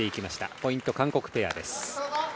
ポイント、韓国ペアです。